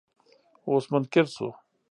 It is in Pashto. اوس منکر شو.